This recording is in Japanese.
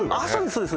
そうです